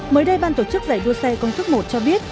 mới đây ban tổ chức giải đua xe công thức một cho biết